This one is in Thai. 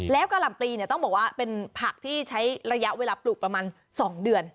แล้วกะหล่ำปลีเนี่ยต้องบอกว่าเป็นผักที่ใช้ระยะเวลาปลูกประมาณ๒เดือน